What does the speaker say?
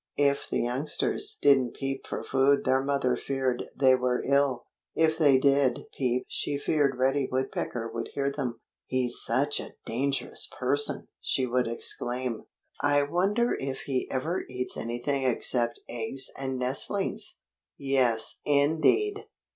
If the youngsters didn't peep for food their mother feared they were ill. If they did peep she feared Reddy Woodpecker would hear them. "He's such a dangerous person!" she would exclaim. "I wonder if he ever eats anything except eggs and nestlings." "Yes, indeed!"